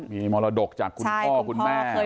มีมรดกจากคุณพ่อคุณแม่